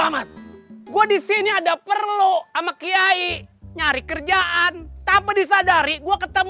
ahmad gue di sini ada perlu ama kiai nyari kerjaan tanpa disadari gue ketemu